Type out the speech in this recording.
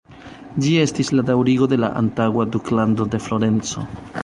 Ĝi estis la daŭrigo de la antaŭa Duklando de Florenco.